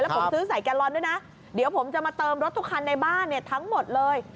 ผมซื้อใส่แกลลอนด้วยนะเดี๋ยวผมจะมาเติมรถทุกคันในบ้านเนี่ยทั้งหมดเลย